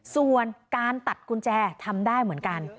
ส่วนการตัดกุญแจทำได้เหมือนกัน